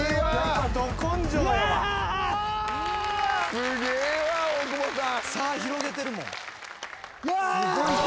すげえわ大久保さん。